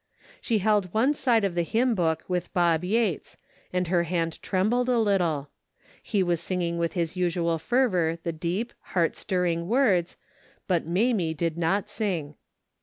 She held one side of the hymn book with Bob Yates and her hand trembled a little. He was singing with his usual fervor the deep, heart stirring words, but Mamie did not sing.